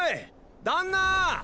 旦那！